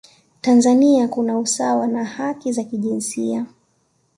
tanzania kuna usawa na haki za kijinsia